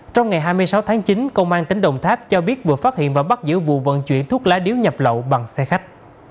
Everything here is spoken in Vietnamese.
trong ngày hai mươi sáu tháng chín công an tỉnh đồng tháp cho biết vừa phát hiện và bắt giữ vụ vận chuyển thuốc lá điếu nhập lậu bằng xe khách